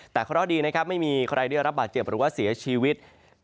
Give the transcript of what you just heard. แต่เคราะห์ดีนะครับไม่มีใครได้รับบาดเจ็บหรือว่าเสียชีวิต